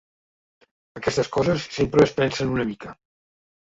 Aquestes coses sempre es pensen una mica.